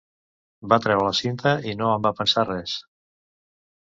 Va treure la cinta i no en va pensar res.